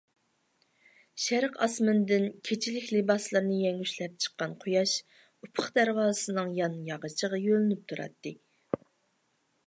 شەرق ئاسمىنىدىن كېچىلىك لىباسلىرىنى يەڭگۈشلەپ چىققان قۇياش ئۇپۇق دەرۋازىسىنىڭ يان ياغىچىغا يۆلىنىپ تۇراتتى.